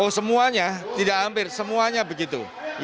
oh semuanya tidak hampir semuanya begitu